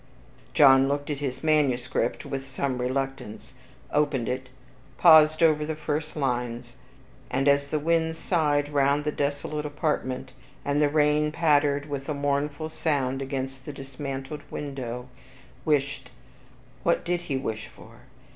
John looked at his manuscript with some reluctance, opened it, paused over the first lines, and as the wind sighed round the desolate apartment, and the rain pattered with a mournful sound against the dismantled window, wished what did he wish for?